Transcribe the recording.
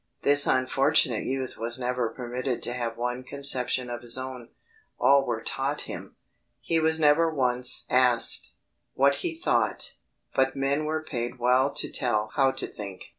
This unfortunate youth was never permitted to have one conception of his own all were taught him he was never once asked, "What he thought;" but men were paid to tell "how to think."